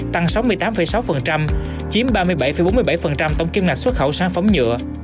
tăng sáu mươi tám sáu chiếm ba mươi bảy bốn mươi bảy tổng kim ngạch xuất khẩu sản phẩm nhựa